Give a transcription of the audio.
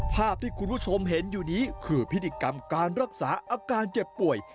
ภาพที่คุณผู้ชมเห็นอยู่นี้คือพิธีกรรมการรักษาอาการเจ็บป่วย